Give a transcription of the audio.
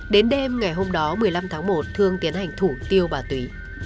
đến đêm ngày hôm đó một mươi năm tháng một thương tiến hành thủ tiêu bà túy